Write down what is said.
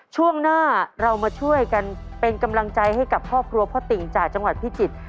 ช่วงหน้าเรามาช่วยกันเป็นกำลังใจให้กับครอบครัวพ่อติ่งจากจังหวัดพิจิตร